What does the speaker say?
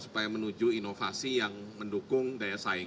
supaya menuju inovasi yang mendukung daya saing